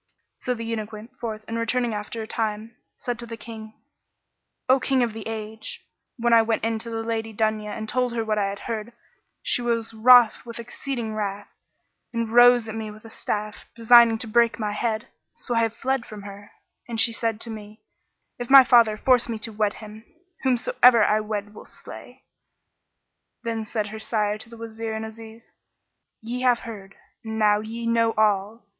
So the eunuch went forth and returning after a time, said to the King, "O King of the Age, when I went in to the Lady Dunya and told her what I had heard, she was wroth with exceeding wrath and rose at me with a staff designing to break my head; so I fled from her, and she said to me 'If my Father force me to wed him, whomsoever I wed I will slay.' Then said her sire to the Wazir and Aziz, "Ye have heard, and now ye know all!